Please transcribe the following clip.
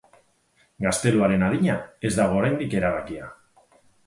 Gazteluaren adina ez dago oraindik erabakia.